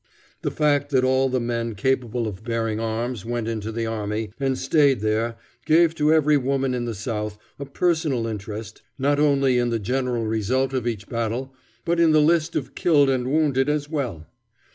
The fact that all the men capable of bearing arms went into the army, and stayed there, gave to every woman in the South a personal interest not only in the general result of each battle, but in the list of killed and wounded as well.